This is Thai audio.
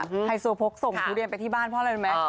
ดิฉันว่าไฮโซโพกส่งพูดเรียนไปที่บ้านเพราะอะไรไหม